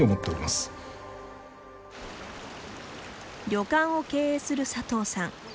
旅館を経営する佐藤さん。